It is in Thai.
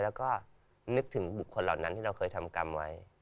แล้วก็นึกถึงบุคคลเหล่านั้นที่เราเคยทำกรรมไว้